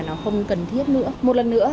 nó không cần thiết nữa một lần nữa